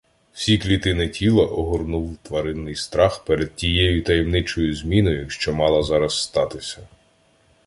Всі клітини тіла огорнув тваринний страх перед тією таємничою зміною, що мала зараз статися.